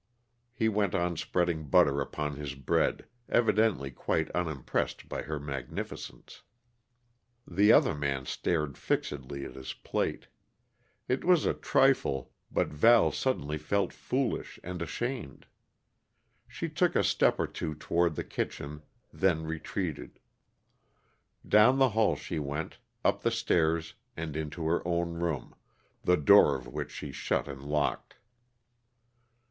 He went on spreading butter upon his bread, evidently quite unimpressed by her magnificence. The other man stared fixedly at his plate. It was a trifle, but Val suddenly felt foolish and ashamed. She took a step or two toward the kitchen, then retreated; down the hall she went, up the stairs and into her own room, the door of which she shut and locked.